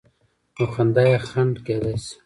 نو خندا یې خنډ کېدای شي.